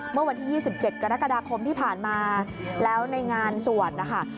เมื่อวันที่๒๗กรกฎาคมที่ผ่านมาแล้วในงานสวดนะคะ